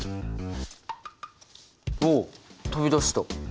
おお飛び出した！